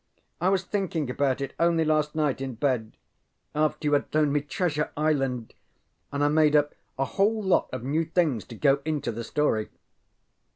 I was thinking about it only last night in bed, after you had loaned me ŌĆśTreasure IslandŌĆÖ; and I made up a a whole lot of new things to go into the story.